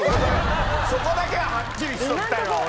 そこだけははっきりしておきたいの俺。